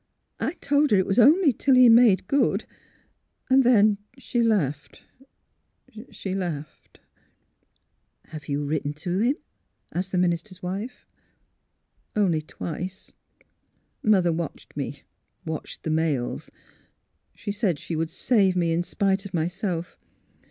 I told her it was only till he ' made good.' Then she — laughed. ... She — laughed. ..."*' Have you written to him? " asked the min ister's wife. " Only twice. Mother watched me — watched the mails. She said she would save me in sj^ite of myself.